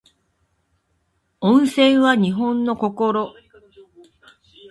温泉は日本の心